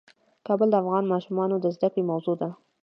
کابل د افغان ماشومانو د زده کړې موضوع ده.